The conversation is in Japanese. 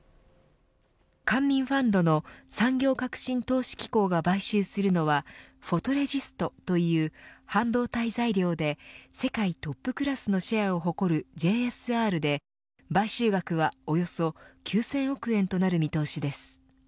官民ファンドの産業革新投資機構が買収するのはフォトレジストという半導体材料で世界トップクラスのシェアを誇るＪＳＲで、買収額はおよそ９０００億円となる見通しです。